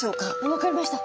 分かりました。